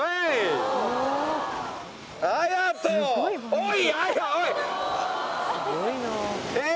おい！